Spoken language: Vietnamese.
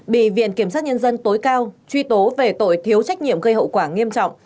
bị viện kiểm sát nhân dân tối cao truy tố về tội thiếu trách nhiệm gây hậu quả nghiêm trọng